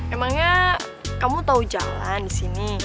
emangnya kamu tahu jalan di sini